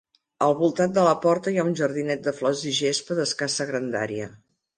Al voltant de la Porta hi ha un jardinet de flors i gespa d'escassa grandària.